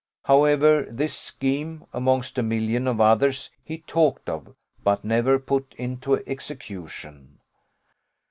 However, this scheme, amongst a million of others, he talked of, but never put into execution.